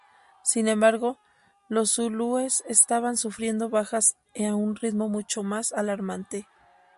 Sin embargo, los zulúes estaban sufriendo bajas a un ritmo mucho más alarmante.